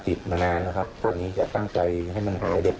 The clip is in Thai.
แต่มันรักษาไม่ได้สักทีนะครับ